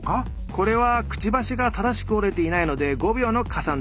これはクチバシが正しく折れていないので５秒の加算です。